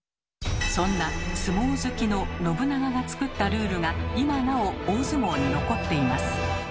そんな相撲好きの信長が作ったルールが今なお大相撲に残っています。